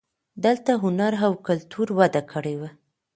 دلته هنر او کلتور وده کړې وه